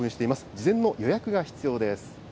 事前の予約が必要です。